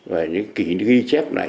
và những kỷ ghi chép này